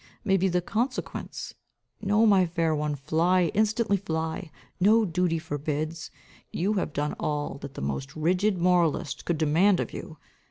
may be the consequence? No, my fair one, fly, instantly fly. No duty forbids. You have done all that the most rigid moralist could demand of you.